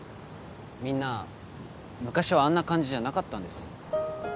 みんな昔はあんな感じじゃなかったんです